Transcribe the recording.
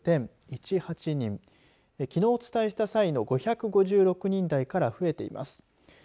きのうお伝えした際の５５６人台から増えています。